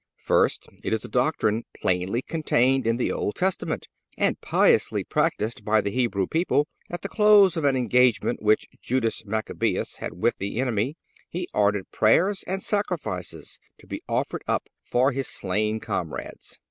First—It is a doctrine plainly contained in the Old Testament and piously practiced by the Hebrew people. At the close of an engagement which Judas Machabeus had with the enemy he ordered prayers and sacrifices to be offered up for his slain comrades.